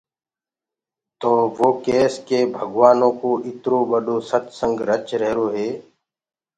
تو وو ڪيس ڪي ڀگوآنو ڪو اِترو ٻڏو ستسنگ رچ رهيرو هي۔